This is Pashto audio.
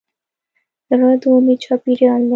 زړه د امید چاپېریال دی.